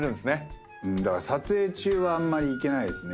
だから撮影中はあんまり行けないですね